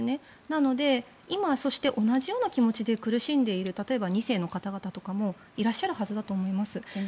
なので、今、そして同じような気持ちで苦しんでいる例えば、２世の方々とかもいらっしゃるはずだと思います。